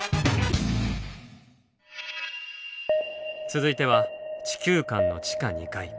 続いては地球館の地下２階。